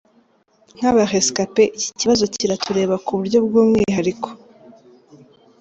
Nk’aba rescapés iki kibazo kiratureba ku buryo bw’umwihariko.